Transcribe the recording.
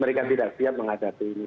mereka tidak siap menghadapi ini